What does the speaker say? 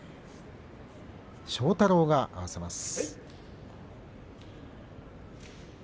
庄太郎が合わせます。